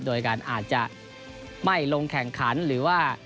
โดยการอาจจะไม่ลงแข่งขันหรือว่า